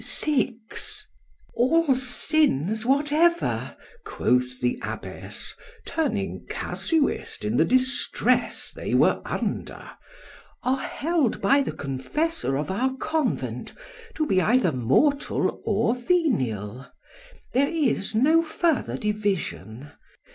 VI ALL sins whatever, quoth the abbess, turning casuist in the distress they were under, are held by the confessor of our convent to be either mortal or venial: there is no further division.